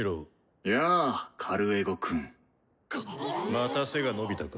また背が伸びたか？